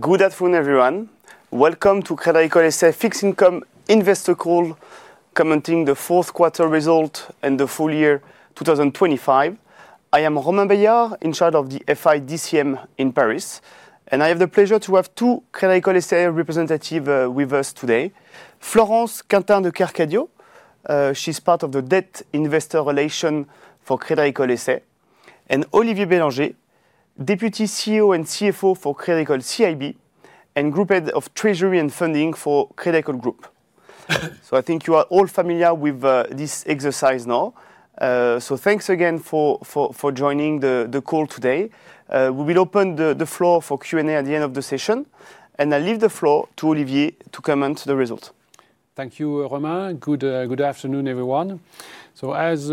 Good afternoon, everyone. Welcome to Crédit Agricole S.A. Fixed Income Investor Call, commenting the Q4 result and the full year 2025. I am Romain Beillard, in charge of the FI DCM in Paris, and I have the pleasure to have two Crédit Agricole S.A. representatives with us today. Florence Quintin de Kercadio, she's part of the Debt Investor Relation for Crédit Agricole S.A., and Olivier Bélorgey, Deputy CEO and CFO for Crédit Agricole CIB, and Group Head of Treasury and Funding for Crédit Agricole Group. So I think you are all familiar with this exercise now. So thanks again for joining the call today. We will open the floor for Q&A at the end of the session, and I leave the floor to Olivier to comment the results. Thank you, Romain. Good afternoon, everyone. As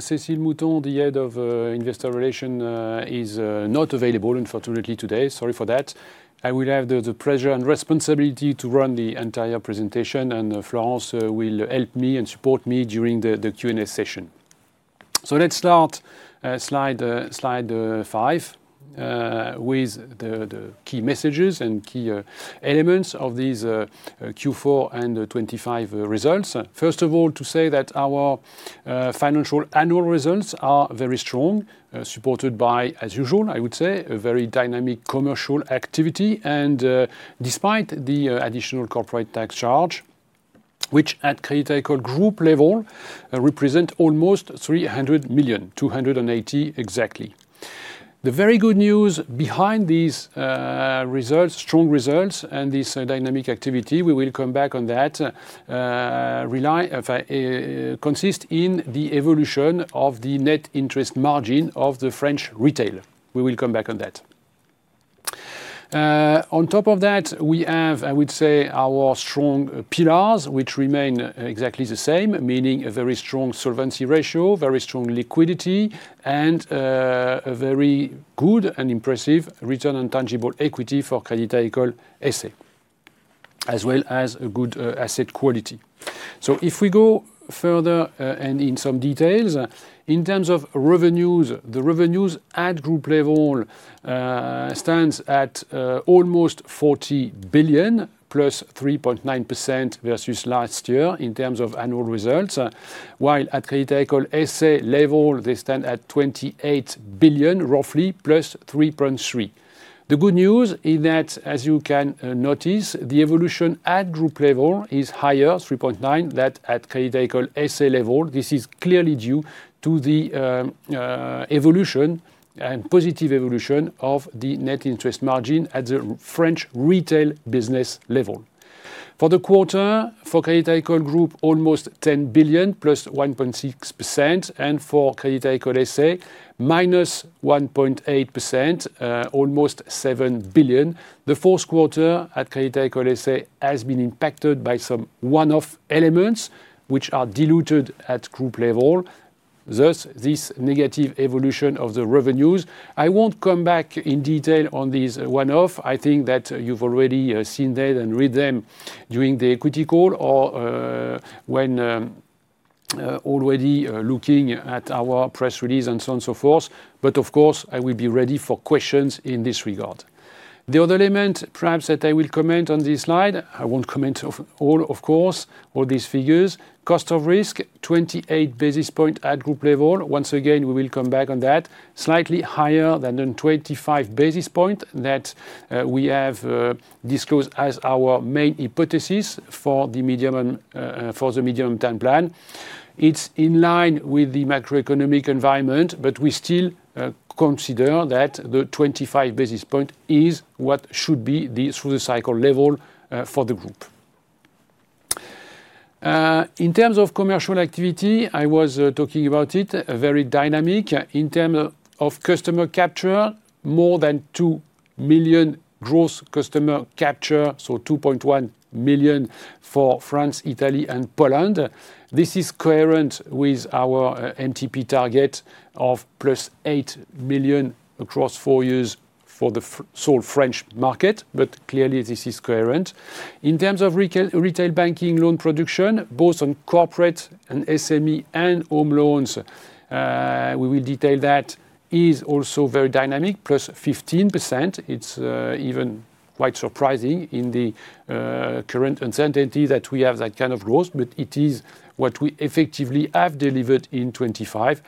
Cécile Mouton, the Head of Investor Relations, is not available unfortunately today, sorry for that, I will have the pleasure and responsibility to run the entire presentation, and Florence will help me and support me during the Q&A session. Let's start slide five with the key messages and key elements of these Q4 and 2025 results. First of all, to say that our financial annual results are very strong, supported by, as usual, I would say, a very dynamic commercial activity, and despite the additional corporate tax charge, which at Crédit Agricole Group level, represent almost 300 million, 280 million exactly. The very good news behind these results, strong results and this dynamic activity, we will come back on that, consist in the evolution of the net interest margin of the French retail. We will come back on that. On top of that, we have, I would say, our strong pillars, which remain exactly the same, meaning a very strong solvency ratio, very strong liquidity, and a very good and impressive return on tangible equity for Crédit Agricole S.A., as well as a good asset quality. So if we go further and in some details, in terms of revenues, the revenues at group level stands at almost 40 billion, +3.9% versus last year in terms of annual results, while at Crédit Agricole S.A. level, they stand at roughly 28 billion, +3.3%. The good news is that, as you can notice, the evolution at group level is higher, 3.9, that at Crédit Agricole S.A. level, this is clearly due to the evolution and positive evolution of the net interest margin at the French retail business level. For the quarter, for Crédit Agricole Group, almost 10 billion, +1.6%, and for Crédit Agricole S.A., -1.8%, almost 7 billion. The Q4 at Crédit Agricole S.A. has been impacted by some one-off elements, which are diluted at group level, thus, this negative evolution of the revenues. I won't come back in detail on these one-off. I think that you've already seen them and read them during the equity call or when already looking at our press release and so on and so forth, but of course, I will be ready for questions in this regard. The other element, perhaps, that I will comment on this slide, I won't comment of all, of course, all these figures. Cost of risk, 28 basis point at group level. Once again, we will come back on that. Slightly higher than the 25 basis point that we have disclosed as our main hypothesis for the medium and for the medium-term plan. It's in line with the macroeconomic environment, but we still consider that the 25 basis point is what should be the through the cycle level for the group. In terms of commercial activity, I was talking about it; it's very dynamic. In terms of customer capture, more than 2 million gross customer capture, so 2.1 million for France, Italy, and Poland. This is coherent with our MTP target of +8 million across four years for the solely French market, but clearly, this is coherent. In terms of retail banking loan production, both on corporate and SME and home loans, we will detail that; it is also very dynamic, +15%. It's even quite surprising in the current uncertainty that we have that kind of growth, but it is what we effectively have delivered in 2025.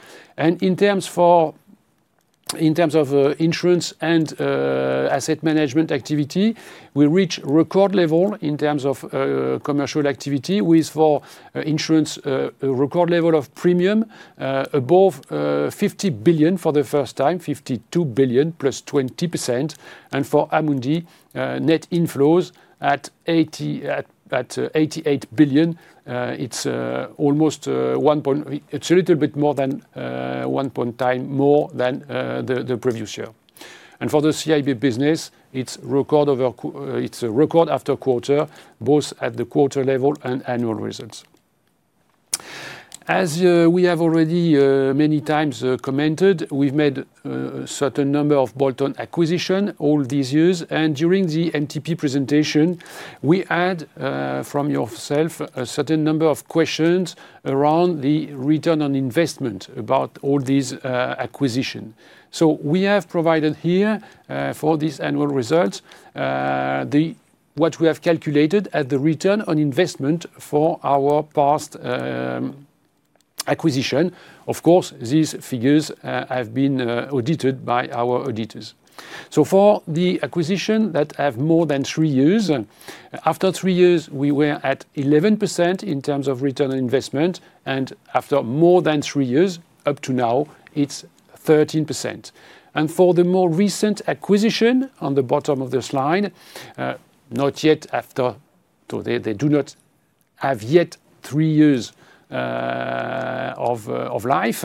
In terms of insurance and asset management activity, we reach record level in terms of commercial activity with, for insurance, a record level of premium above 50 billion for the first time, 52 billion, +20%. And for Amundi, net inflows at 88 billion, it's almost one point. It's a little bit more than one point time, more than the previous year. And for the CIB business, it's record over quarter, both at the quarter level and annual results. As we have already many times commented, we've made a certain number of bolt-on acquisitions all these years, and during the MTP presentation, we had from yourself a certain number of questions around the return on investment about all these acquisitions. So we have provided here for these annual results what we have calculated as the return on investment for our past acquisitions. Of course, these figures have been audited by our auditors. So for the acquisitions that have more than three years, after three years, we were at 11% in terms of return on investment, and after more than three years, up to now, it's 13%. For the more recent acquisition, on the bottom of this slide, not yet after, so they do not have yet three years of life,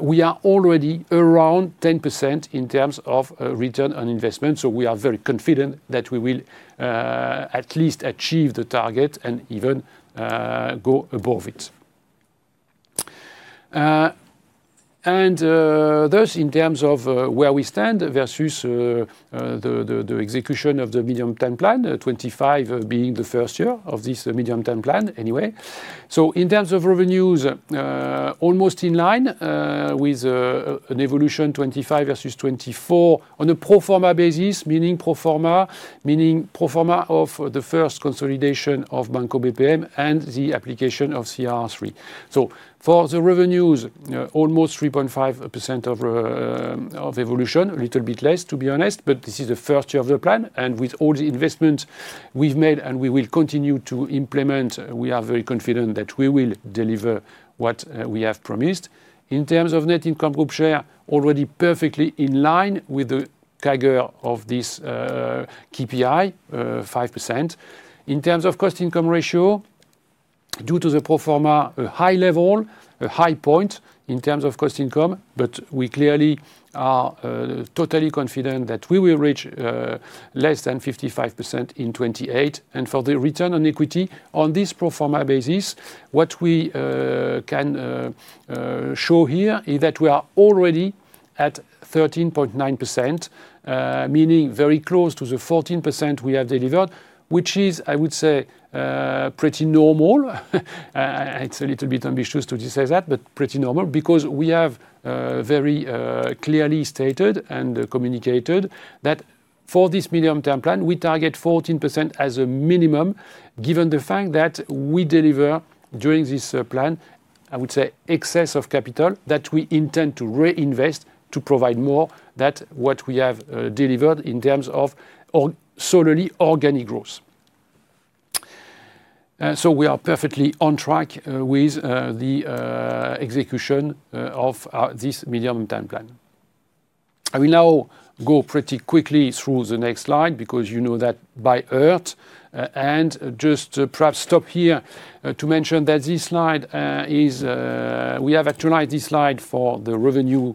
we are already around 10% in terms of return on investment, so we are very confident that we will at least achieve the target and even go above it. And thus, in terms of where we stand versus the execution of the medium-term plan, 2025 being the first year of this medium-term plan anyway. So in terms of revenues, almost in line with an evolution 2025 versus 2024 on a pro forma basis, meaning pro forma of the first consolidation of Banco BPM and the application of CRR III. So for the revenues, almost 3.5% of, of evolution, a little bit less, to be honest, but this is the first year of the plan, and with all the investment we've made, and we will continue to implement, we are very confident that we will deliver what we have promised. In terms of net income Group share, already perfectly in line with the CAGR of this KPI, 5%. In terms of cost-income ratio, due to the pro forma, a high level, a high point in terms of cost income, but we clearly are totally confident that we will reach less than 55% in 2028. For the return on equity, on this pro forma basis, what we can show here is that we are already at 13.9%, meaning very close to the 14% we have delivered, which is, I would say, pretty normal. It's a little bit ambitious to just say that, but pretty normal, because we have very clearly stated and communicated that for this medium-term plan, we target 14% as a minimum, given the fact that we deliver during this plan, I would say, excess of capital that we intend to reinvest to provide more than what we have delivered in terms of our solely organic growth. So we are perfectly on track with the execution of this medium-term plan. I will now go pretty quickly through the next slide, because you know that by heart, and just perhaps stop here to mention that this slide is. We have actualized this slide for the revenue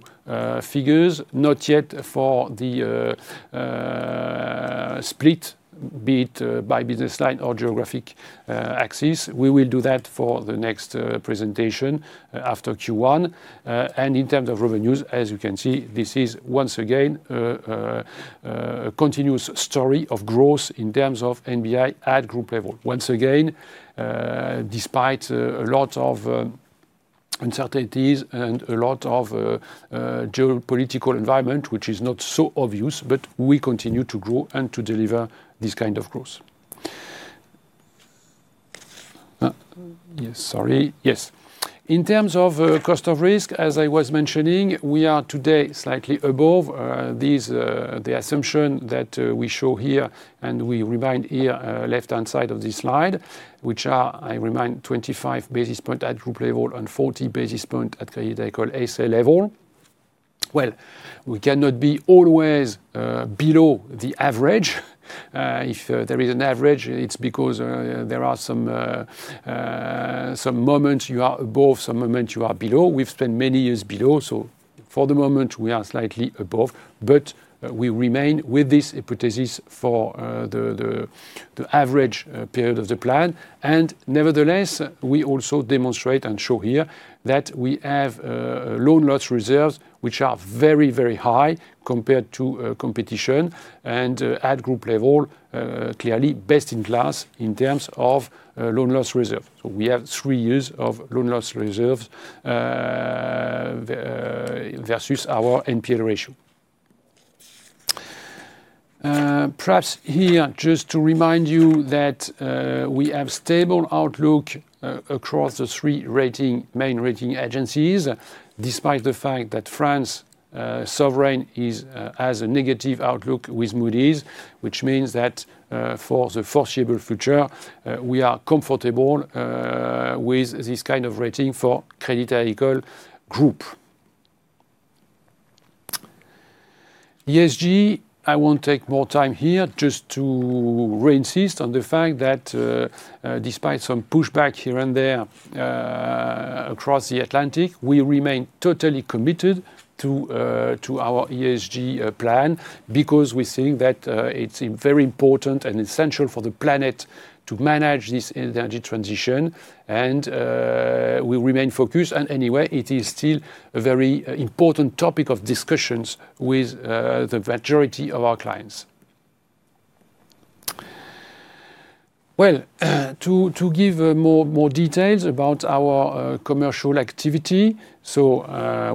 figures, not yet for the split, be it by business line or geographic axis. We will do that for the next presentation after Q1. And in terms of revenues, as you can see, this is once again a continuous story of growth in terms of NBI at group level. Once again, despite a lot of uncertainties and a lot of geopolitical environment, which is not so obvious, but we continue to grow and to deliver this kind of growth. Yes, sorry. Yes. In terms of cost of risk, as I was mentioning, we are today slightly above these the assumption that we show here, and we remind here left-hand side of this slide, which are, I remind, 25 basis point at group level and 40 basis point at Crédit Agricole S.A. level. Well, we cannot be always below the average. If there is an average, it's because there are some some moments you are above, some moments you are below. We've spent many years below, so for the moment, we are slightly above. But we remain with this hypothesis for the average period of the plan. Nevertheless, we also demonstrate and show here that we have loan loss reserves, which are very, very high compared to competition, and at group level clearly best in class in terms of loan loss reserve. So we have three years of loan loss reserves versus our NPL ratio. Perhaps here, just to remind you that we have stable outlook across the three main rating agencies, despite the fact that France sovereign has a negative outlook with Moody's, which means that for the foreseeable future we are comfortable with this kind of rating for Crédit Agricole Group. ESG, I won't take more time here, just to re-insist on the fact that, despite some pushback here and there, across the Atlantic, we remain totally committed to, to our ESG, plan, because we think that, it's, very important and essential for the planet to manage this energy transition. And, we remain focused, and anyway, it is still a very, important topic of discussions with, the majority of our clients. Well, to, to give, more, more details about our, commercial activity, so,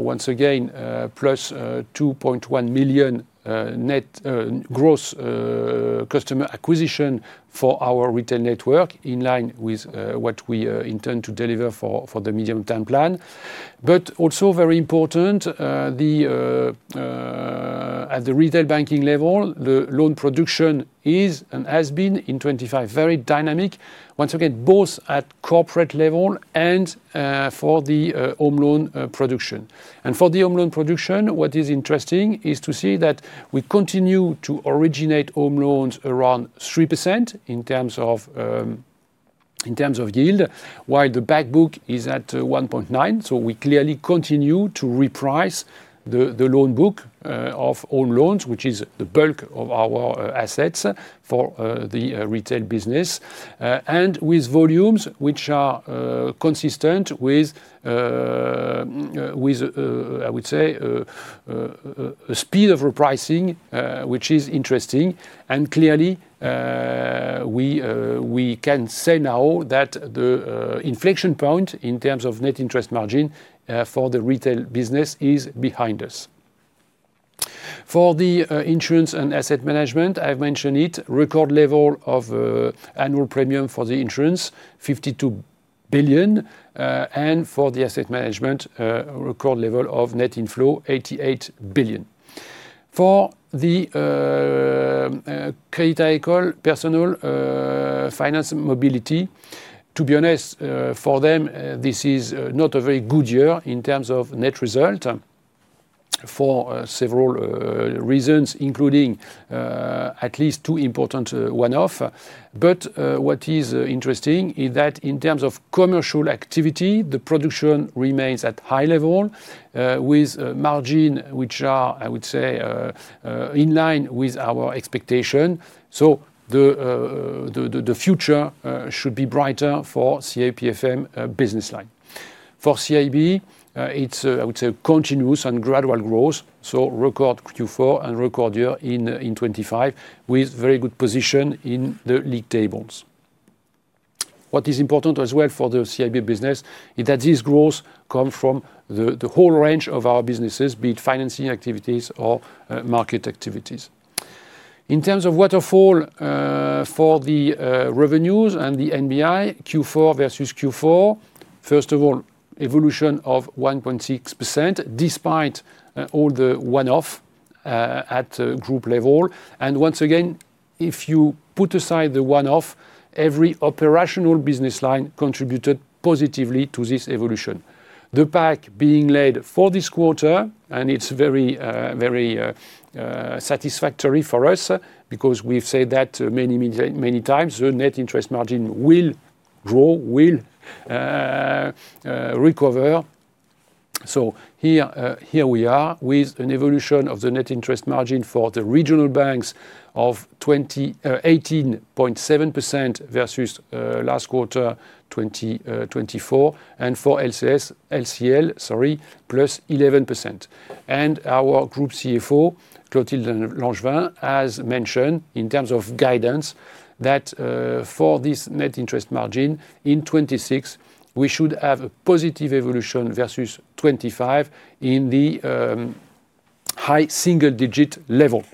once again, +2.1 million net gross customer acquisition for our retail network, in line with, what we, intend to deliver for, for the medium-term plan. But also very important, at the retail banking level, the loan production is and has been, in 2025, very dynamic. Once again, both at corporate level and for the home loan production. And for the home loan production, what is interesting is to see that we continue to originate home loans around 3% in terms of yield, while the back book is at 1.9%. So we clearly continue to reprice the loan book of all loans, which is the bulk of our assets for the retail business. And with volumes which are consistent with, I would say, a speed of repricing, which is interesting. Clearly, we can say now that the inflection point in terms of net interest margin for the retail business is behind us. For the insurance and asset management, I've mentioned it, record level of annual premium for the insurance, 52 billion, and for the asset management, a record level of net inflow, 88 billion. For the Crédit Agricole Personal Finance and Mobility, to be honest, for them, this is not a very good year in terms of net result for several reasons, including at least two important one-off. But what is interesting is that in terms of commercial activity, the production remains at high level with margin which are, I would say, in line with our expectation. So the future should be brighter for CAPFM business line. For CIB, it's, I would say, continuous and gradual growth, so record Q4 and record year in 2025, with very good position in the league tables. What is important as well for the CIB business is that this growth come from the whole range of our businesses, be it financing activities or market activities. In terms of waterfall for the revenues and the NBI, Q4 versus Q4, first of all, evolution of 1.6%, despite all the one-off at group level. And once again, if you put aside the one-off, every operational business line contributed positively to this evolution. The pack being laid for this quarter, and it's very, very, satisfactory for us, because we've said that many, many, many times, the net interest margin will grow, will, recover. So here, here we are with an evolution of the net interest margin for the Regional Banks of 18.7% versus last quarter 24, and for LCS, LCL, sorry, +11%. And our Group CFO, Clotilde L’Angevin, as mentioned, in terms of guidance, that, for this net interest margin, in 2026, we should have a positive evolution versus 2025 in the high single-digit level.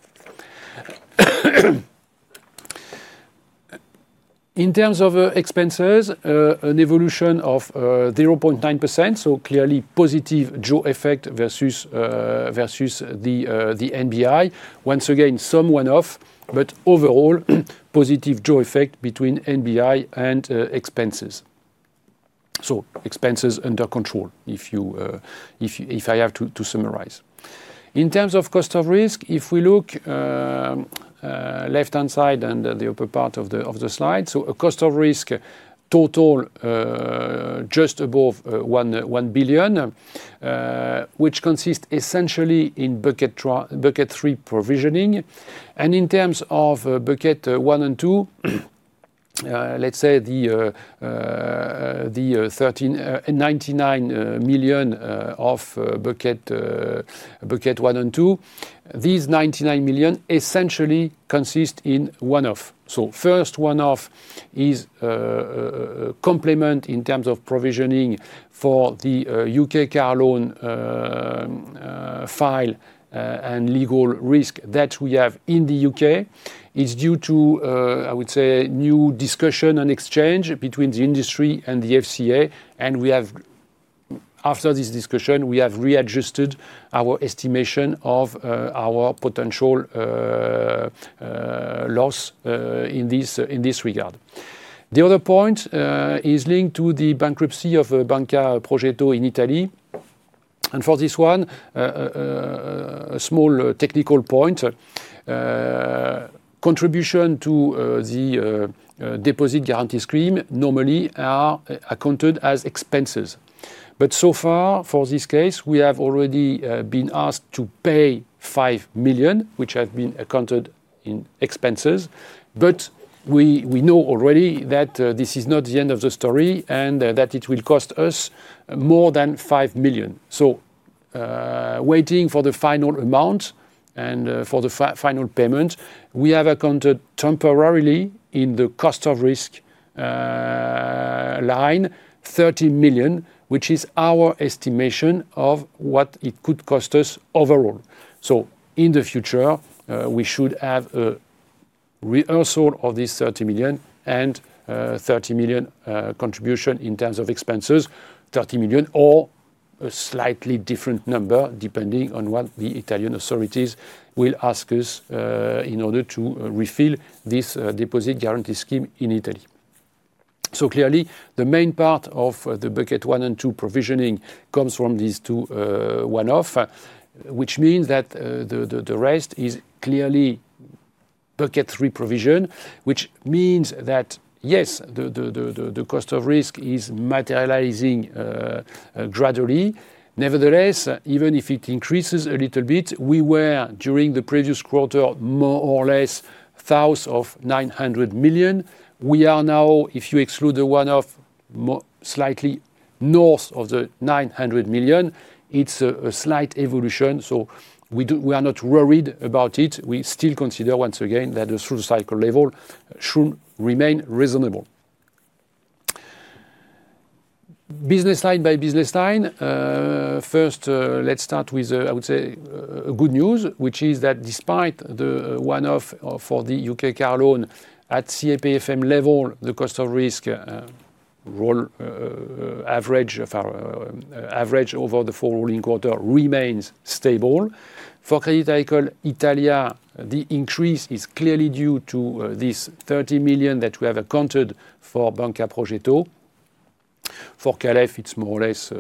In terms of expenses, an evolution of 0.9%, so clearly positive jaw effect versus versus the the NBI. Once again, some one-off, but overall, positive jaw effect between NBI and expenses. So expenses under control, if I have to summarize. In terms of cost of risk, if we look left-hand side and the upper part of the slide, so a cost of risk total just above 1 billion, which consists essentially in bucket 3 provisioning. And in terms of bucket 1 and 2, let's say the 139.9 million of bucket 1 and 2, these 99 million essentially consist in one-off. So first one-off is complement in terms of provisioning for the UK car loan file and legal risk that we have in the UK, is due to, I would say, new discussion and exchange between the industry and the FCA, and we have, after this discussion, readjusted our estimation of our potential loss in this regard. The other point is linked to the bankruptcy of Banca Progetto in Italy. And for this one, a small technical point, contribution to the deposit guarantee scheme normally are accounted as expenses. But so far, for this case, we have already been asked to pay 5 million, which have been accounted in expenses. But we know already that this is not the end of the story, and that it will cost us more than 5 million. So, waiting for the final amount and for the final payment. We have accounted temporarily in the cost of risk line, 30 million, which is our estimation of what it could cost us overall. So in the future, we should have a reversal of this 30 million and 30 million contribution in terms of expenses, 30 million or a slightly different number, depending on what the Italian authorities will ask us in order to refill this deposit guarantee scheme in Italy. So clearly, the main part of the bucket 1 and 2 provisioning comes from these two one-off, which means that the rest is clearly bucket 3 provision, which means that, yes, the cost of risk is materializing gradually. Nevertheless, even if it increases a little bit, we were, during the previous quarter, more or less, south of 900 million. We are now, if you exclude the one-off, slightly north of 900 million, it's a slight evolution, so we are not worried about it. We still consider, once again, that the through-the-cycle level should remain reasonable. Business line by business line, first, let's start with, I would say, a good news, which is that despite the one-off, for the UK car loan, at CAPFM level, the cost of risk overall average over the four rolling quarters remains stable. For Crédit Agricole Italia, the increase is clearly due to, this 30 million that we have accounted for Banca Progetto. For CAL&F, it's more or less,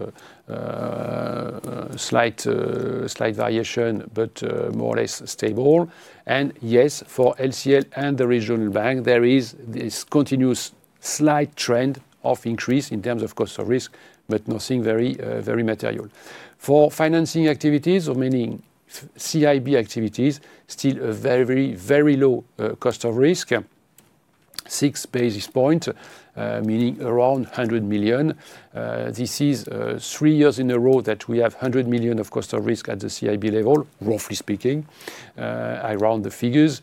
slight, slight variation, but, more or less stable. And yes, for LCL and the Regional Bank, there is this continuous slight trend of increase in terms of cost of risk, but nothing very, very material. For financing activities, or meaning CIB activities, still a very, very low, cost of risk, 6 basis points, meaning around 100 million. This is three years in a row that we have 100 million of cost of risk at the CIB level, roughly speaking, around the figures.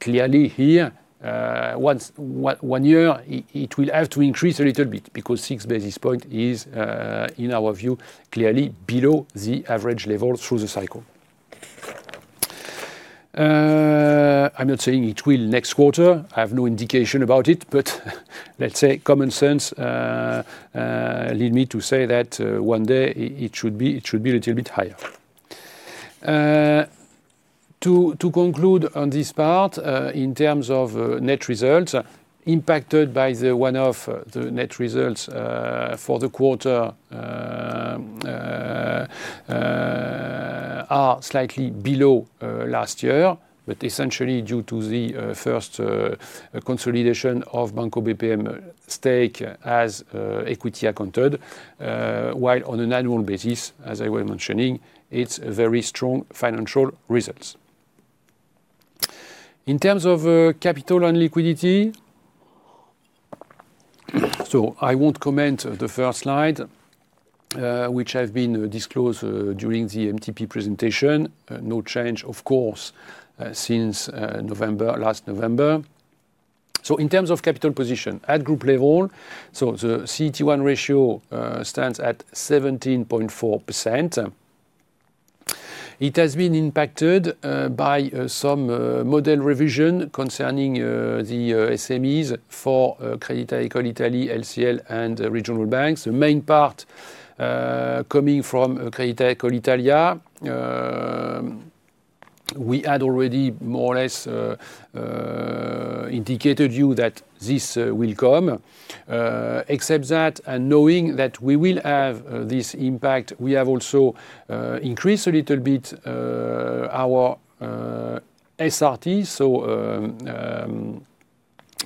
Clearly, here, one year, it will have to increase a little bit because six basis point is, in our view, clearly below the average level through the cycle. I'm not saying it will next quarter. I have no indication about it, but let's say, common sense lead me to say that, one day it should be, it should be a little bit higher. To conclude on this part, in terms of net results impacted by the one-off, the net results for the quarter are slightly below last year, but essentially due to the first consolidation of Banco BPM stake as equity accounted, while on an annual basis, as I were mentioning, it's a very strong financial results. In terms of capital and liquidity, so I won't comment on the first slide, which have been disclosed during the MTP presentation. No change, of course, since November, last November. So in terms of capital position, at group level, the CET1 ratio stands at 17.4%. It has been impacted by some model revision concerning the SMEs for Crédit Agricole Italy, LCL, and Regional Banks. The main part coming from Crédit Agricole Italia, we had already more or less indicated you that this will come. Except that, and knowing that we will have this impact, we have also increased a little bit our SRT, so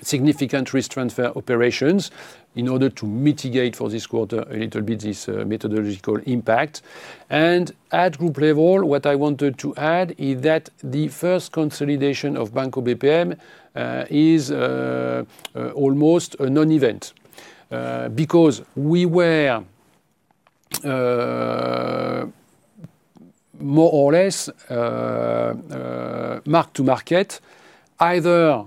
significant risk transfer operations in order to mitigate for this quarter, a little bit this methodological impact. And at group level, what I wanted to add is that the first consolidation of Banco BPM is almost a non-event because we were more or less mark to market, either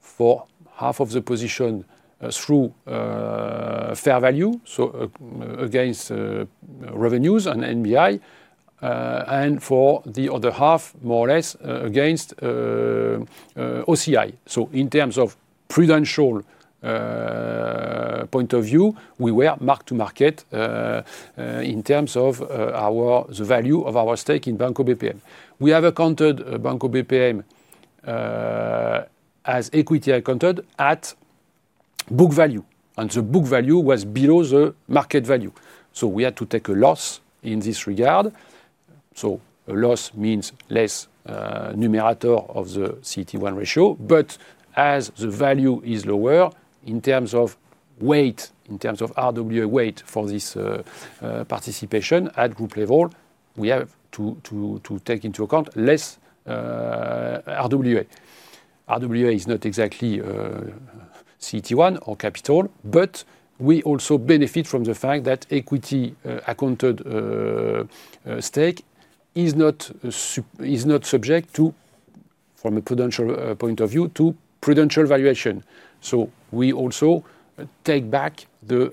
for half of the position through fair value, so against revenues and NBI, and for the other half, more or less against OCI. So in terms of prudential point of view, we were mark to market in terms of our the value of our stake in Banco BPM. We have accounted Banco BPM as equity accounted at book value, and the book value was below the market value, so we had to take a loss in this regard. So a loss means less numerator of the CET1 ratio, but as the value is lower, in terms of weight, in terms of RWA weight for this participation at group level, we have to take into account less RWA. RWA is not exactly CET1 or capital, but we also benefit from the fact that equity accounted stake is not subject to, from a prudential point of view, to prudential valuation. So we also take back the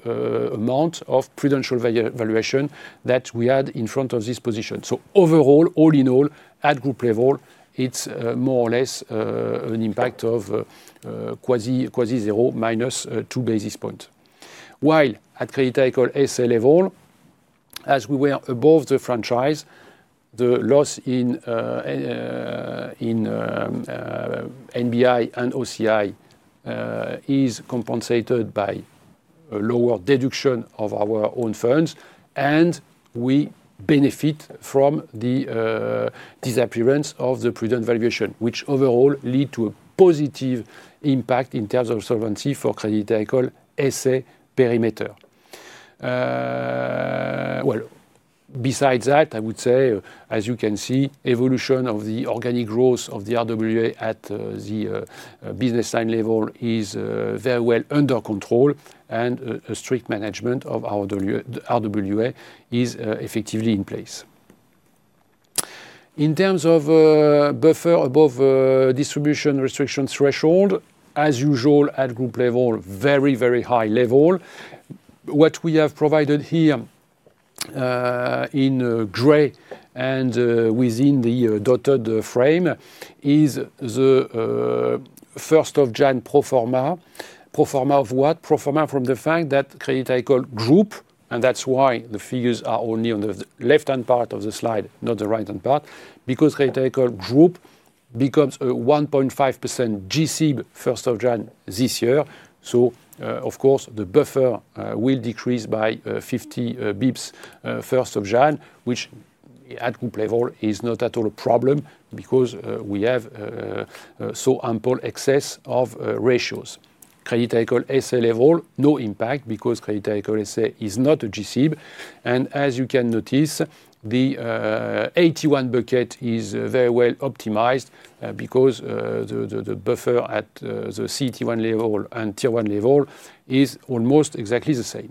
amount of prudential valuation that we had in front of this position. So overall, all in all, at group level, it's more or less an impact of quasi zero minus two basis points. While at Crédit Agricole S.A. level, as we were above the franchise, the loss in in NBI and OCI is compensated by a lower deduction of our own funds, and we benefit from the disappearance of the prudent valuation, which overall lead to a positive impact in terms of solvency for Crédit Agricole S.A. perimeter. Well, besides that, I would say, as you can see, evolution of the organic growth of the RWA at the business line level is very well under control, and a strict management of RWA, RWA is effectively in place. In terms of buffer above distribution restriction threshold, as usual, at group level, very, very high level. What we have provided here in gray and within the dotted frame is the first of January pro forma. Pro forma of what? Pro forma from the fact that Crédit Agricole Group, and that's why the figures are only on the left-hand part of the slide, not the right-hand part, because Crédit Agricole Group becomes a 1.5% G-SIB, January 1st, this year. Of course, the buffer will decrease by 50 basis points first of January, which at group level is not at all a problem because we have so ample excess of ratios. Crédit Agricole S.A. level, no impact because Crédit Agricole S.A. is not a G-SIB. And as you can notice, the AT1 bucket is very well optimized because the buffer at the CET1 level and Tier 1 level is almost exactly the same.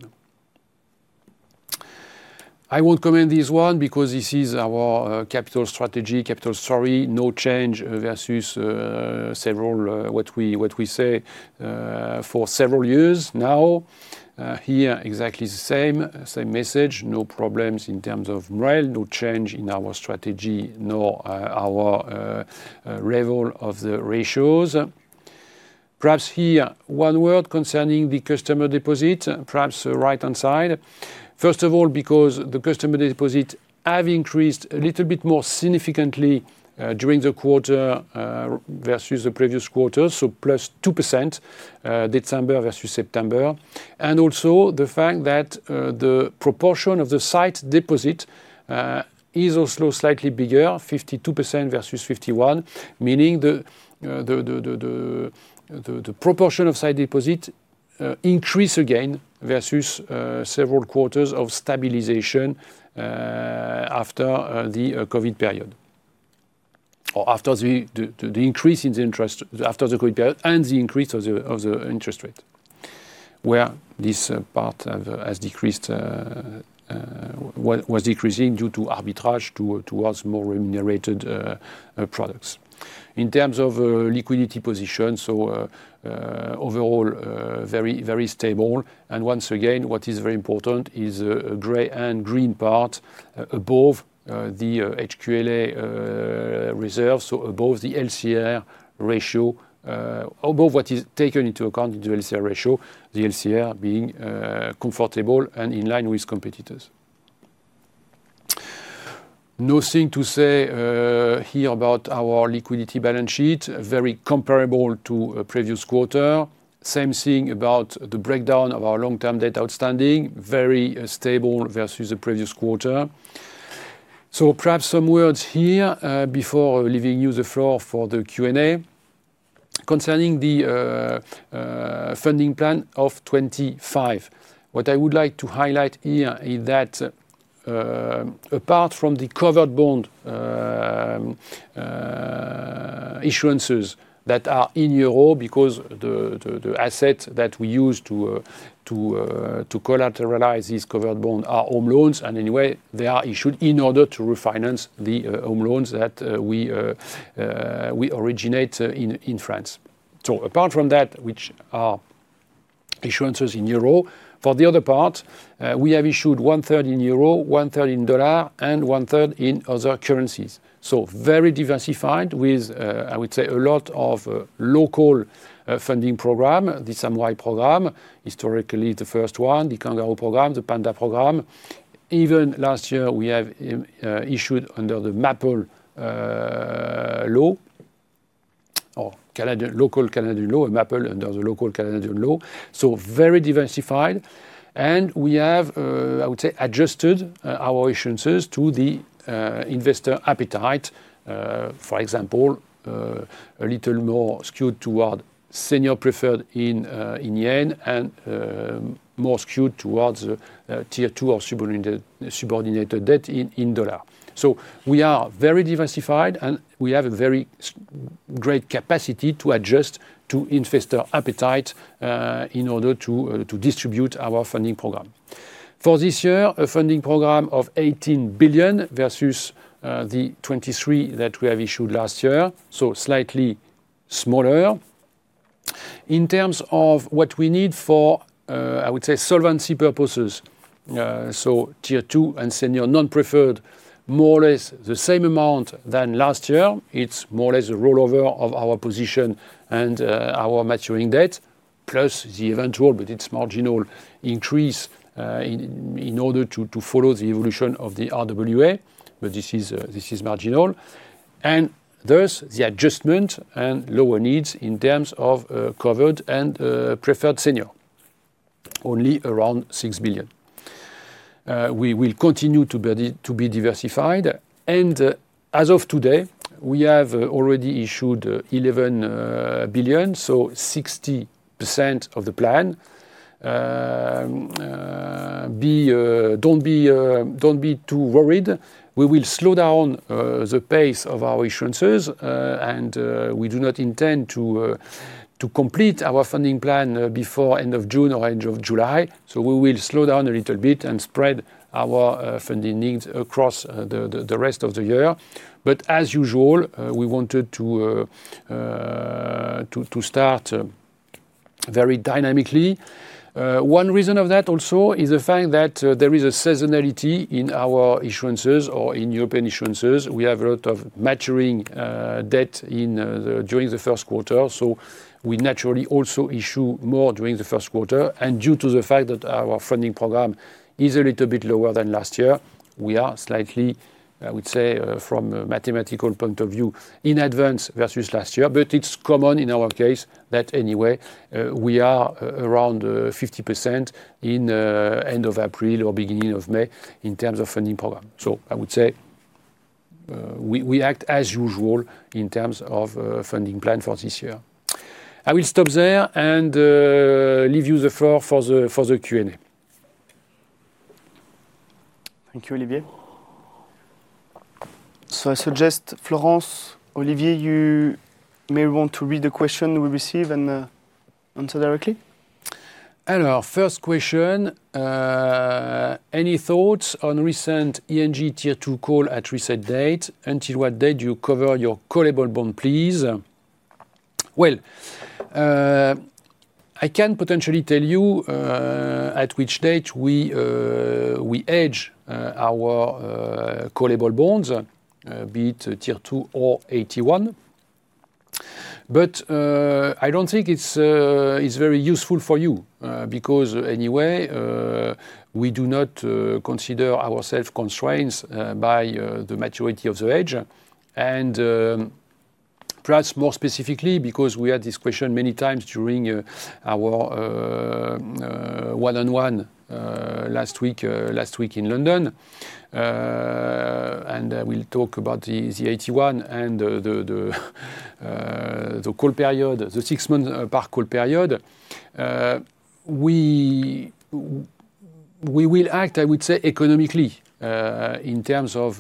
I won't comment this one because this is our capital strategy, capital story. No change versus several what we say for several years now. Here, exactly the same, same message, no problems in terms of MREL, no change in our strategy, nor our level of the ratios. Perhaps here, one word concerning the customer deposit, perhaps right-hand side. First of all, because the customer deposit have increased a little bit more significantly during the quarter versus the previous quarter, so +2%, December versus September. And also, the fact that the proportion of the sight deposit is also slightly bigger, 52% versus 51%, meaning the proportion of sight deposit increase again versus several quarters of stabilization after the COVID period, or after the increase in the interest, after the COVID period and the increase of the interest rate, where this part have, has decreased was decreasing due to arbitrage to towards more remunerated products. In terms of liquidity position, so overall very, very stable, and once again, what is very important is the gray and green part above the HQLA reserve, so above the LCR ratio, above what is taken into account, the LCR ratio, the LCR being comfortable and in line with competitors. Nothing to say here about our liquidity balance sheet, very comparable to a previous quarter. Same thing about the breakdown of our long-term debt outstanding, very stable versus the previous quarter. So perhaps some words here before leaving you the floor for the Q&A. Concerning the funding plan of 2025, what I would like to highlight here is that, apart from the covered bond issuances that are in euro, because the asset that we use to collateralize these covered bond are home loans, and anyway, they are issued in order to refinance the home loans that we originate in France. So apart from that, which are issuances in euro, for the other part, we have issued 1/3 in euro, 1/3 in dollar, and 1/3 in other currencies. So very diversified with, I would say, a lot of local funding program, the Samurai program, historically, the first one, the Kangaroo program, the Panda program. Even last year, we have issued under the Maple law, or Canadian local Canadian law, Maple under the local Canadian law. So very diversified, and we have, I would say, adjusted our issuances to the investor appetite, for example, a little more skewed toward senior preferred in yen and more skewed towards Tier 2 or subordinated debt in dollar. So we are very diversified, and we have a very great capacity to adjust to investor appetite in order to distribute our funding program. For this year, a funding program of 18 billion versus the 23 billion that we have issued last year, so slightly smaller. In terms of what we need for, I would say, solvency purposes, so Tier 2 and senior non-preferred, more or less the same amount than last year. It's more or less a rollover of our position and our maturing debt, plus the eventual, but it's marginal, increase in order to follow the evolution of the RWA, but this is marginal. Thus, the adjustment and lower needs in terms of covered and preferred senior, only around 6 billion. We will continue to be diversified. And, as of today, we have already issued 11 billion, so 60% of the plan. Don't be too worried. We will slow down the pace of our issuances, and we do not intend to complete our funding plan before end of June or end of July. So we will slow down a little bit and spread our funding needs across the rest of the year. But as usual, we wanted to start very dynamically. One reason of that also is the fact that there is a seasonality in our issuances or in European issuances. We have a lot of maturing debt during the Q1, so we naturally also issue more during the Q1. Due to the fact that our funding program is a little bit lower than last year, we are slightly, I would say, from a mathematical point of view, in advance versus last year. But it's common in our case that anyway, we are around 50% in end of April or beginning of May in terms of funding program. So I would say, we act as usual in terms of funding plan for this year. I will stop there and leave you the floor for the Q&A. Thank you, Olivier. So I suggest, Florence, Olivier, you may want to read the question we receive and answer directly. And our first question: Any thoughts on recent ING Tier 2 call at reset date? Until what date do you cover your callable bond, please? Well, I can potentially tell you at which date we hedge our callable bonds, be it Tier 2 or AT1. But I don't think it's very useful for you because anyway we do not consider ourselves constrained by the maturity of the hedge. And perhaps more specifically, because we had this question many times during our one-on-one last week in London, and we'll talk about the AT1 and the call period, the six-month per call period. We will act, I would say, economically in terms of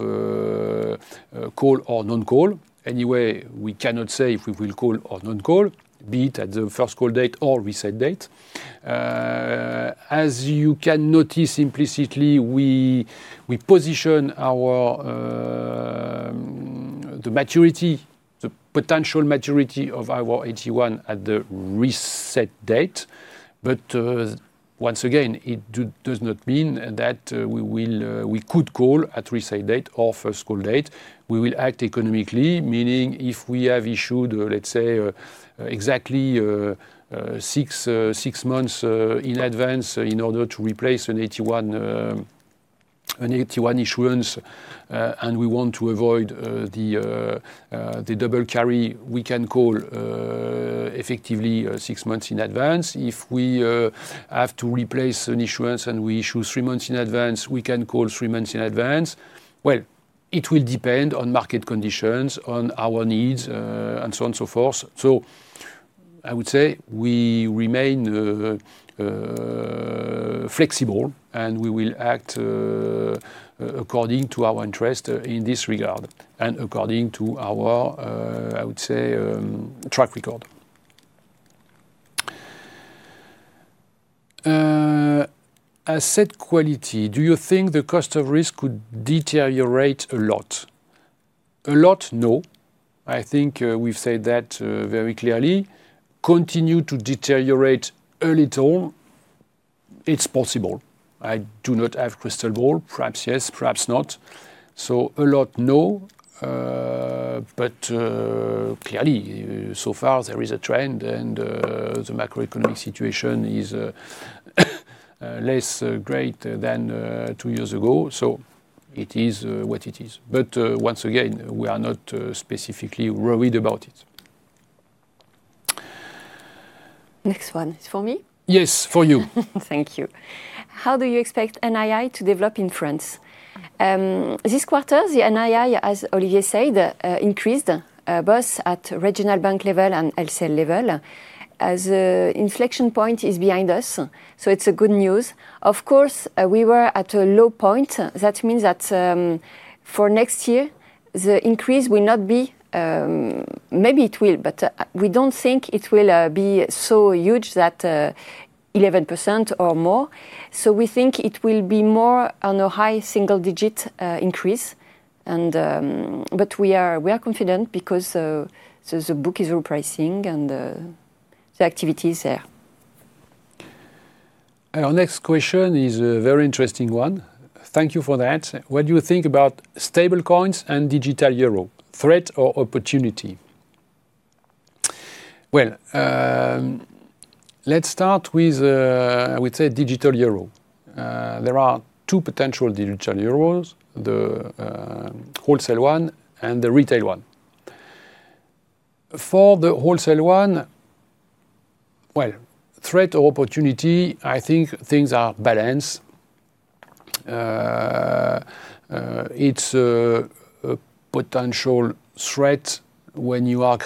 call or non-call. Anyway, we cannot say if we will call or non-call, be it at the first call date or reset date. As you can notice, implicitly, we position the maturity, the potential maturity of our AT1 at the reset date. But once again, it does not mean that we could call at reset date or first call date. We will act economically, meaning if we have issued, let's say, exactly six months in advance in order to replace an AT1 issuance, and we want to avoid the double carry, we can call effectively six months in advance. If we have to replace an issuance and we issue three months in advance, we can call three months in advance. Well, it will depend on market conditions, on our needs, and so on and so forth. So I would say we remain flexible, and we will act according to our interest in this regard and according to our, I would say, track record. Asset quality: Do you think the cost of risk could deteriorate a lot? A lot, no. I think we've said that very clearly. Continue to deteriorate a little, it's possible. I do not have crystal ball. Perhaps yes, perhaps not. So a lot, no. But clearly, so far there is a trend, and the macroeconomic situation is less great than two years ago. So it is what it is. But once again, we are not specifically worried about it. Next one is for me? Yes, for you. Thank you. How do you expect NII to develop in France? This quarter, the NII, as Olivier said, increased, both at regional bank level and LCL level. Inflection point is behind us, so it's a good news. Of course, we were at a low point. That means that, for next year, the increase will not be. Maybe it will, but, we don't think it will, be so huge that, 11% or more. So we think it will be more on a high single-digit, increase, and, but we are, we are confident because, so the book is repricing and, the activity is there. Our next question is a very interesting one. Thank you for that. What do you think about stablecoins and digital euro, threat or opportunity? Well, let's start with a digital euro. There are two potential digital euro,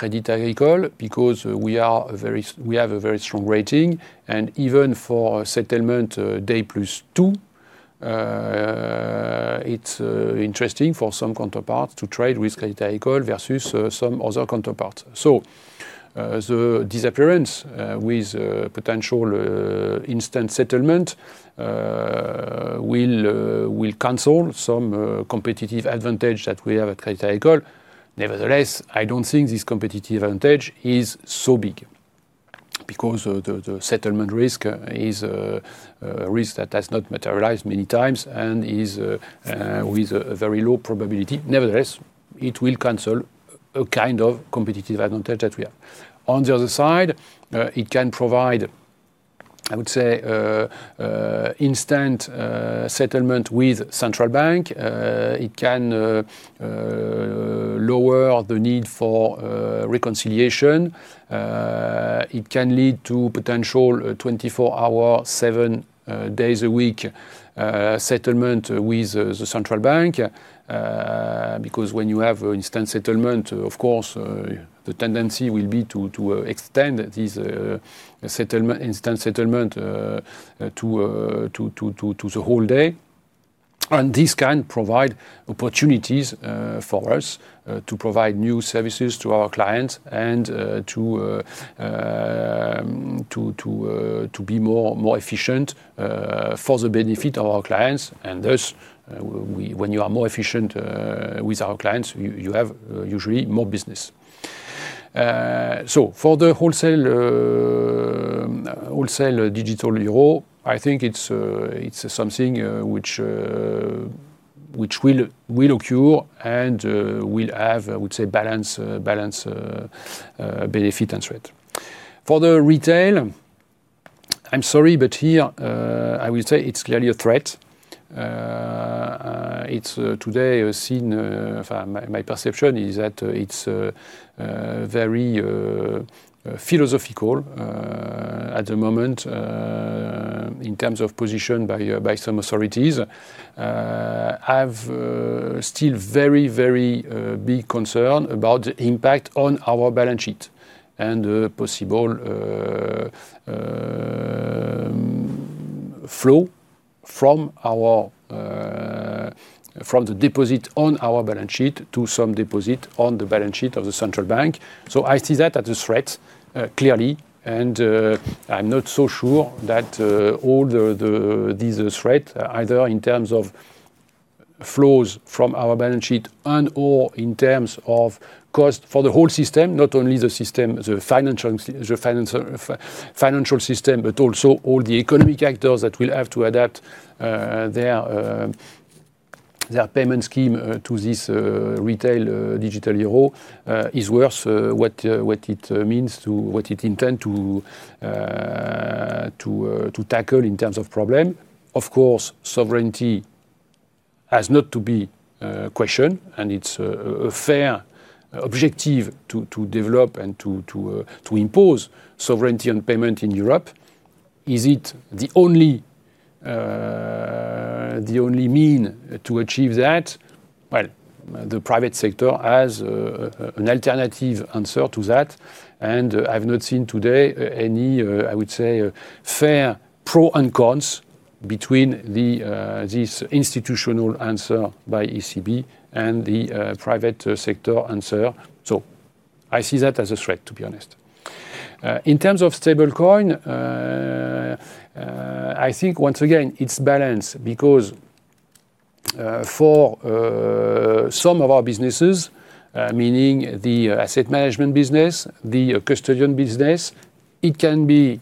the wholesale one and the retail one. For the wholesale one, well, threat or opportunity, I think things are balanced. It's a potential threat when you are Crédit Agricole, because we have a very strong rating, and even for settlement, day plus two, it's interesting for some counterparts to trade with Crédit Agricole versus some other counterparts. So, the disappearance with potential instant settlement will cancel some competitive advantage that we have at Crédit Agricole. Nevertheless, I don't think this competitive advantage is so big, because the settlement risk is a risk that has not materialized many times, and is with a very low probability. Nevertheless, it will cancel a kind of competitive advantage that we have. On the other side, it can provide, I would say, instant settlement with central bank. It can lower the need for reconciliation. It can lead to potential 24-hour, seven days a week, settlement with the central bank, because when you have instant settlement, of course, the tendency will be to extend this settlement, instant settlement, to the whole day. This can provide opportunities for us to provide new services to our clients and to be more efficient for the benefit of our clients. Thus, when you are more efficient with our clients, you have usually more business. So for the wholesale digital euro, I think it's something which will occur, and will have, I would say, balanced benefit and threat. For the retail, I'm sorry, but here I will say it's clearly a threat. It's today a scene from my perception is that it's very philosophical at the moment in terms of position by some authorities. I've still very, very big concern about the impact on our balance sheet and possible flow from the deposit on our balance sheet to some deposit on the balance sheet of the central bank. So I see that as a threat clearly, and I'm not so sure that all this threat, either in terms of flows from our balance sheet and/or in terms of cost for the whole system, not only the financial system, but also all the economic actors that will have to adapt their payment scheme to this retail digital euro, is worth what it intend to tackle in terms of problem. Of course, sovereignty has not to be questioned, and it's a fair objective to develop and to impose sovereignty and payment in Europe. Is it the only mean to achieve that? Well, the private sector has an alternative answer to that, and I've not seen today any fair pro and cons between this institutional answer by ECB and the private sector answer. So I see that as a threat, to be honest. In terms of stablecoin, I think once again, it's balanced because for some of our businesses, meaning the asset management business, the custodian business, it can be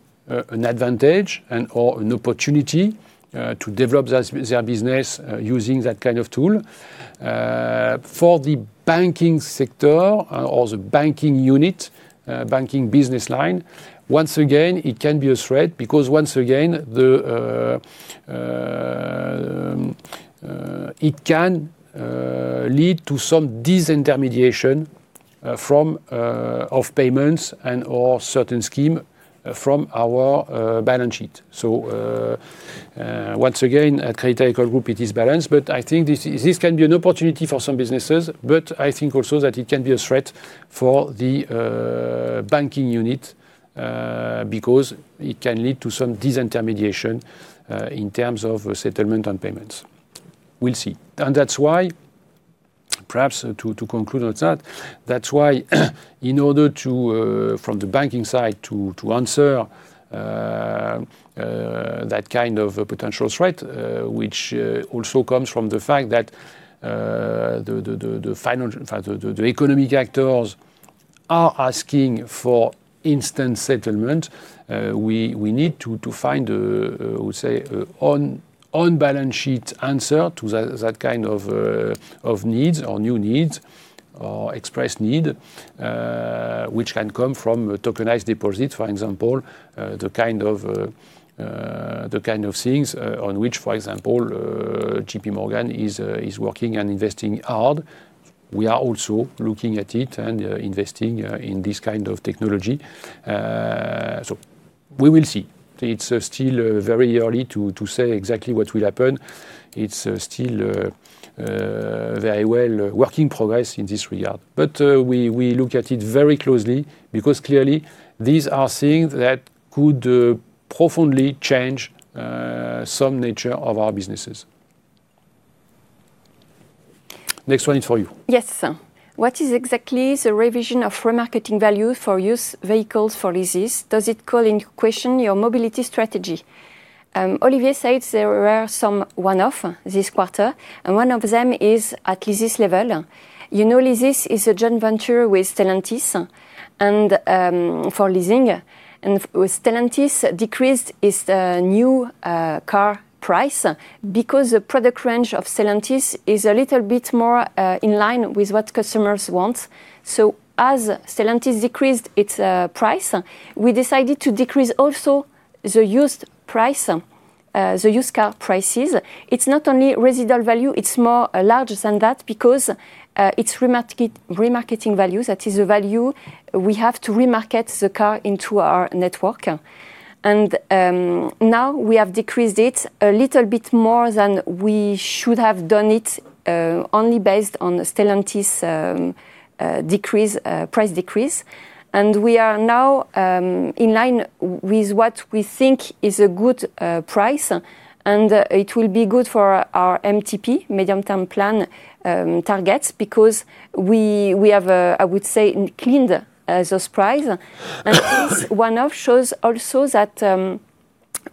an advantage and or an opportunity to develop their business using that kind of tool. For the banking sector or the banking unit, banking business line, once again, it can be a threat, because once again, the, it can lead to some disintermediation, from of payments and or certain scheme from our balance sheet. So, once again, at Crédit Agricole Group, it is balanced, but I think this, this can be an opportunity for some businesses, but I think also that it can be a threat for the banking unit, because it can lead to some disintermediation, in terms of settlement and payments. We'll see. And that's why, perhaps to conclude on that, that's why, in order to, from the banking side, to answer that kind of a potential threat, which also comes from the fact that the financial, in fact, the economic actors are asking for instant settlement, we need to find, we'll say, on-balance-sheet answer to that kind of needs or new needs or expressed need, which can come from tokenized deposits, for example, the kind of things on which, for example, JPMorgan is working and investing hard. We are also looking at it and investing in this kind of technology. So we will see. It's still very early to say exactly what will happen. It's still very well working progress in this regard. But we look at it very closely, because clearly, these are things that could profoundly change some nature of our businesses. Next one is for you. Yes, sir. What is exactly the revision of remarketing value for used vehicles for Leasys? Does it call into question your mobility strategy? Olivier said there were some one-off this quarter, and one of them is at Leasys level. You know, Leasys is a joint venture with Stellantis, and for leasing. And with Stellantis, decreased is the new car price, because the product range of Stellantis is a little bit more in line with what customers want. So as Stellantis decreased its price, we decided to decrease also the used price, the used car prices. It's not only residual value, it's more larger than that because it's remarketing value, that is the value we have to remarket the car into our network. And now we have decreased it a little bit more than we should have done it, only based on Stellantis price decrease. And we are now in line with what we think is a good price, and it will be good for our MTP, medium-term plan, targets, because we have I would say cleaned those price. And this one-off shows also that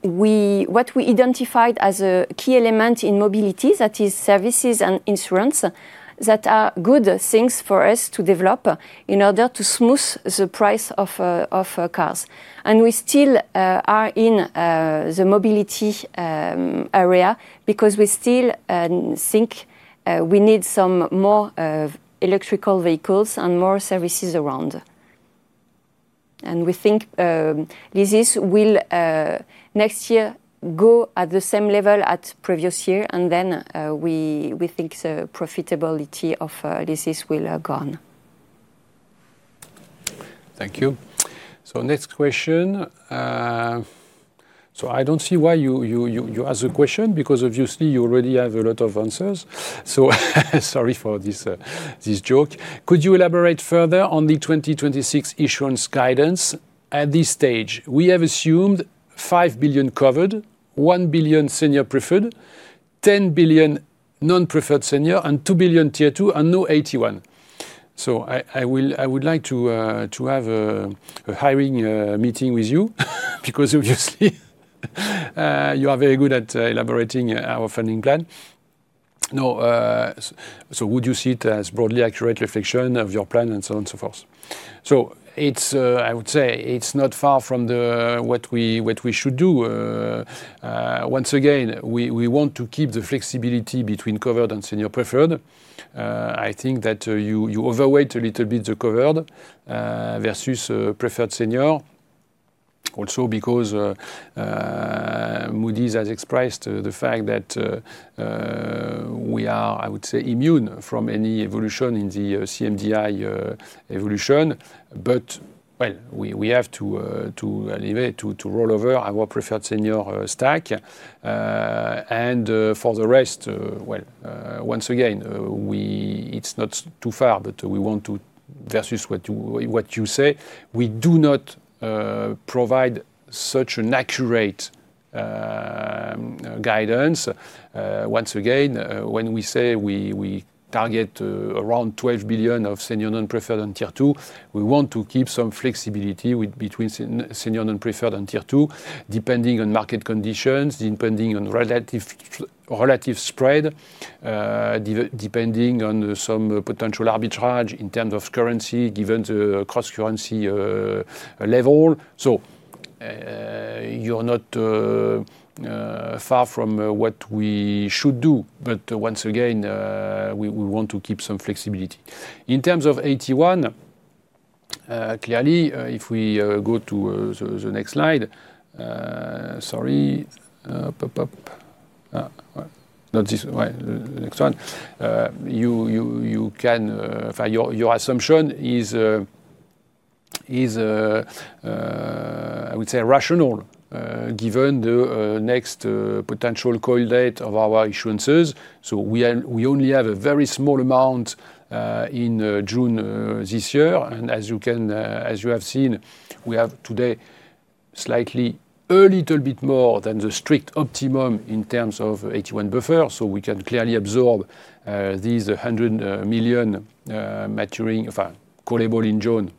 what we identified as a key element in mobility, that is services and insurance, that are good things for us to develop in order to smooth the price of cars. And we still are in the mobility area, because we still think we need some more electric vehicles and more services around. We think this will, next year, go at the same level at previous year, and then we think the profitability of this will go on. Thank you. So next question, so I don't see why you ask a question, because obviously you already have a lot of answers. So sorry for this, this joke. Could you elaborate further on the 2026 issuance guidance? At this stage, we have assumed 5 billion covered, 1 billion senior preferred, 10 billion non-preferred senior, and 2 billion Tier 2, and no AT1. So I will, I would like to have a hiring meeting with you, because obviously you are very good at elaborating our funding plan. Now, so would you see it as broadly accurate reflection of your plan, and so on and so forth? So it's, I would say, it's not far from the, what we, what we should do. Once again, we want to keep the flexibility between covered and senior preferred. I think that you overweight a little bit the covered versus preferred senior. Also, because Moody's has expressed the fact that we are, I would say, immune from any evolution in the CMDI evolution. But, well, we have to roll over our preferred senior stack. For the rest, well, once again, it's not too far, but we want to versus what you say, we do not provide such an accurate guidance. Once again, when we say we target around 12 billion of senior non-preferred and Tier 2, we want to keep some flexibility between senior non-preferred and Tier 2, depending on market conditions, depending on relative spread, depending on some potential arbitrage in terms of currency, given the cross-currency level. So, you're not far from what we should do. But once again, we want to keep some flexibility. In terms of AT1, clearly, if we go to the next slide, sorry, pardon, not this next one. You can, your assumption is, I would say rational, given the next potential call date of our issuances. So we are, we only have a very small amount in June this year. And as you can, as you have seen, we have today, slightly a little bit more than the strict optimum in terms of AT1 buffer, so we can clearly absorb these 100 million maturing callable in June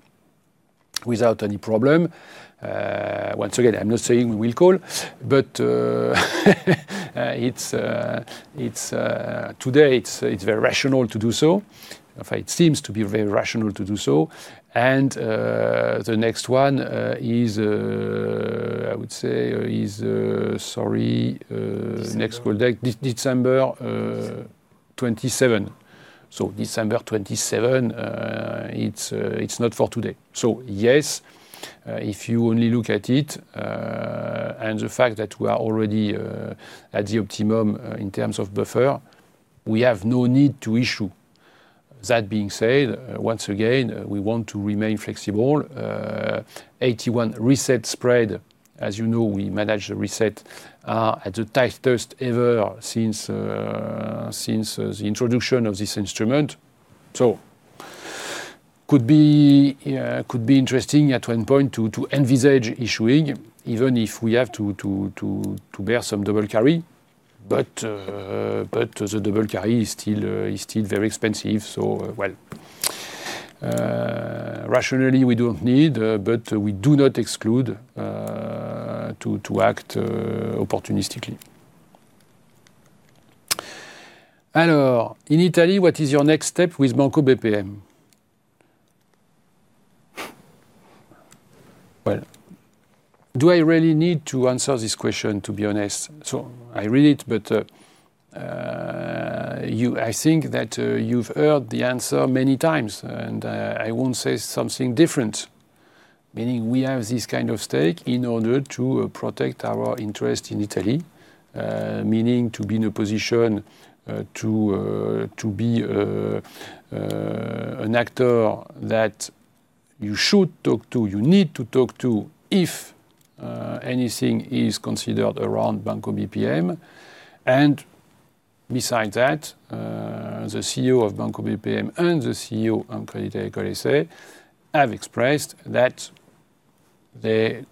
without any problem. Once again, I'm not saying we will call, but, today, it's very rational to do so. In fact, it seems to be very rational to do so. And, the next one, is, I would say is, sorry, December. next call date, December 27. So December 27, it's not for today. So yes, if you only look at it, and the fact that we are already at the optimum in terms of buffer, we have no need to issue. That being said, once again, we want to remain flexible. AT1 reset spread, as you know, we managed to reset at the tightest ever since the introduction of this instrument. So could be interesting at one point to envisage issuing, even if we have to bear some double carry. But the double carry is still very expensive, so, well, rationally, we don't need, but we do not exclude to act opportunistically. Hello, in Italy, what is your next step with Banco BPM? Well, do I really need to answer this question, to be honest? I read it, but, I think that you've heard the answer many times, and I won't say something different. Meaning, we have this kind of stake in order to protect our interest in Italy, meaning to be in a position to be an actor that you should talk to, you need to talk to, if anything is considered around Banco BPM. And besides that, the CEO of Banco BPM and the CEO of Crédit Agricole S.A. have expressed that they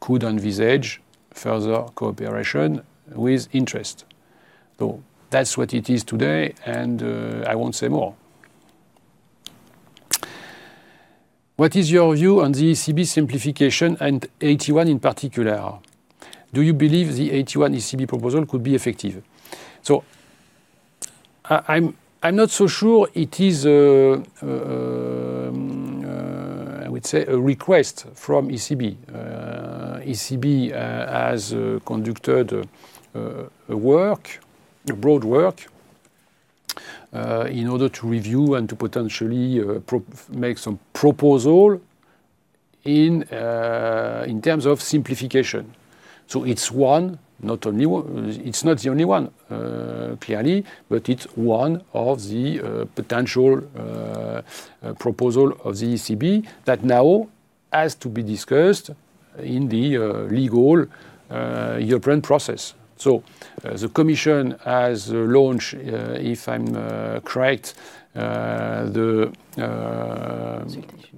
could envisage further cooperation with interest. That's what it is today, and I won't say more. What is your view on the ECB simplification and AT1 in particular? Do you believe the AT1 ECB proposal could be effective? So, I'm not so sure it is. I would say, a request from ECB. ECB has conducted a broad work in order to review and to potentially make some proposal in terms of simplification. So it's one, not only one, clearly, but it's one of the potential proposal of the ECB, that now has to be discussed in the legal European process. So, the commission has launched, if I'm correct. Consultation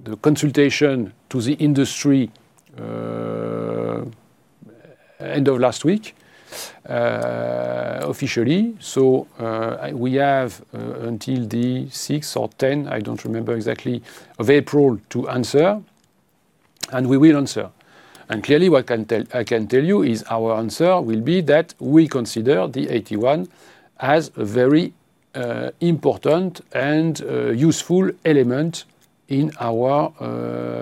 the consultation to the industry, end of last week, officially. So, we have until the sixth or 10th, I don't remember exactly, of April, to answer, and we will answer. And clearly, what I can tell you is our answer will be that we consider the AT1 as a very, important and, useful element in our,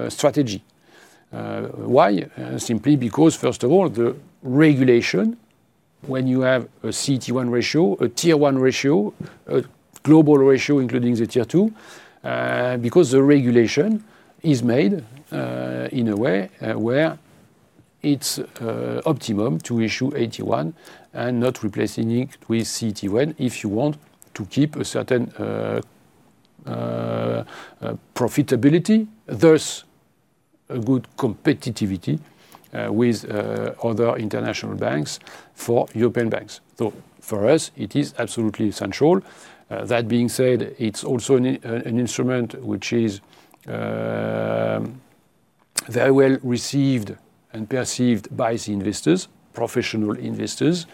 strategy. Why? Simply because, first of all, the regulation, when you have a CET1 ratio, a Tier 1 ratio, a global ratio, including the Tier 2, because the regulation is made, in a way, where it's, optimum to issue AT1, and not replacing it with CET1, if you want to keep a certain, profitability, there's a good competitiveness, with, other international banks for European banks. So for us, it is absolutely essential. That being said, it's also an instrument which is very well received and perceived by the investors, professional investors,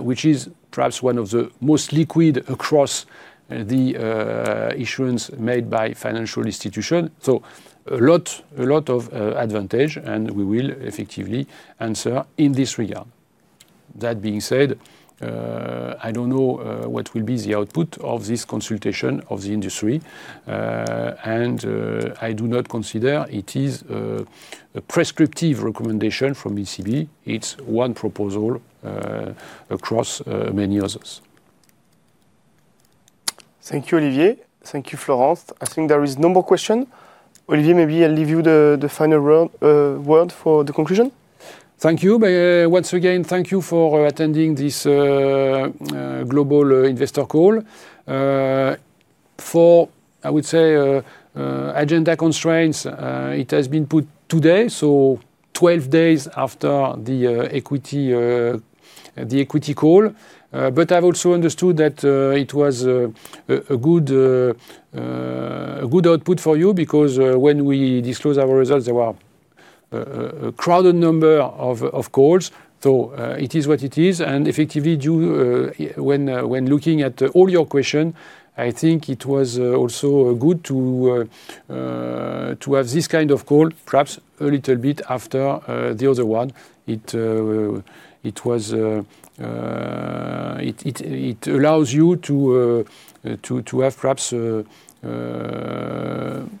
which is perhaps one of the most liquid across the issuance made by financial institutions. So a lot of advantage, and we will effectively answer in this regard. That being said, I don't know what will be the output of this consultation of the industry, and I do not consider it is a prescriptive recommendation from ECB. It's one proposal across many others. Thank you, Olivier. Thank you, Florence. I think there is no